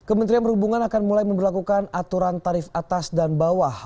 kementerian perhubungan akan mulai memperlakukan aturan tarif atas dan bawah